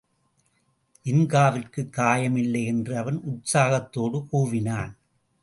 ஜின்காவிற்குக் காயம் இல்லை என்று அவன் உற்சாகத்தோடு கூவினான்.